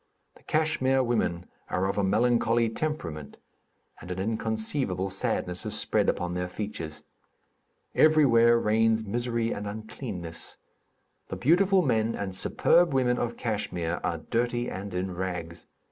The Kachmyr women are of a melancholy temperament, and an inconceivable sadness is spread upon their features. Everywhere reigns misery and uncleanness. The beautiful men and superb women of Kachmyr are dirty and in rags.